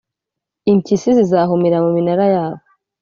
Impyisi zizahumira mu minara yabo,